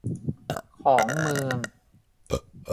ของเมือง